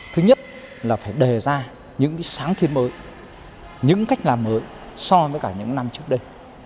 thứ nhất là phải đề ra những sáng thiên mới những cách làm mới so với cả những năm trước đây